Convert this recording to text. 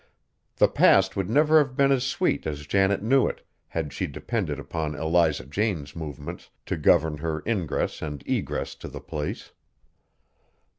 The past would never have been as sweet as Janet knew it, had she depended upon Eliza Jane's movements to govern her ingress and egress to the place.